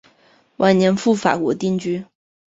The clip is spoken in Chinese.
晚年赴法国定居。